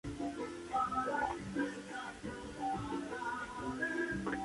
Entre griegos y romanos, existen numerosas referencias.